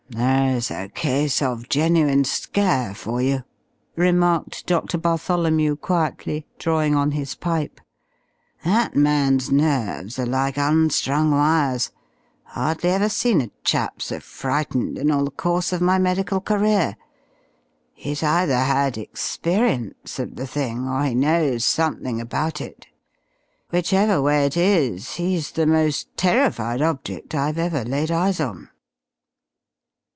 "There's a case of genuine scare for you," remarked Doctor Bartholomew quietly, drawing on his pipe. "That man's nerves are like unstrung wires. Hardly ever seen a chap so frightened in all the course of my medical career. He's either had experience of the thing, or he knows something about it. Whichever way it is, he's the most terrified object I've ever laid eyes on!"